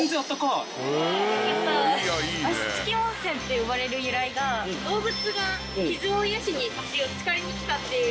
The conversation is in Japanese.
足付温泉って呼ばれる由来が動物が傷を癒やしに足をつかりに来たっていう。